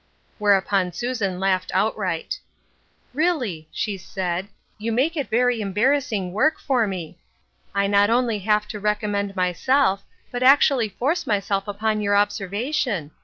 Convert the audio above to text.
Whereupon Susan laughed outright. " Really," she said, " you make it very embar rassing work for me. I not only have to recom 892 Ruth UrsJcine^s Crosses. mend myself, but actually force myself upoi your observation.